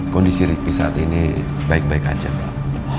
kondisi riki saat ini baik baik aja pak